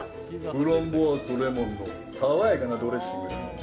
フランボワーズとレモンの爽やかなドレッシングだ。